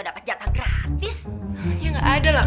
udah preparing jakarta